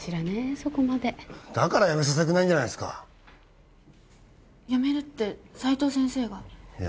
そこまでだから辞めさせたくないんじゃないですか辞めるって斉藤先生が？